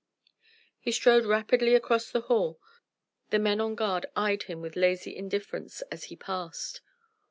He strode rapidly across the hall: the men on guard eyed him with lazy indifference as he passed.